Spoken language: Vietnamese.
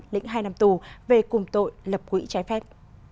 lĩnh hai năm tù về cùng tội lập quỹ trái phép